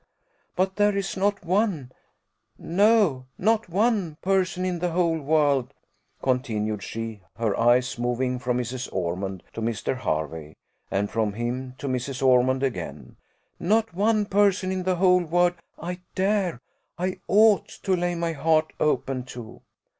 But there is not one no, not one person in the whole world," continued she, her eyes moving from Mrs. Ormond to Mr. Hervey, and from him to Mrs. Ormond again, "not one person in the whole world I dare I ought to lay my heart open to.